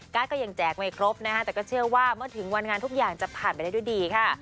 ก็ยังแจกไม่ครบนะคะแต่ก็เชื่อว่าเมื่อถึงวันงานทุกอย่างจะผ่านไปได้ด้วยดีค่ะ